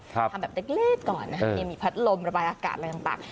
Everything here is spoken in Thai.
ทำแบบเล็กก่อนนะครับยังมีพัดลมระบายอากาศอะไรต่าง